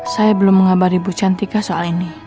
saya belum mengabari bu cantika soal ini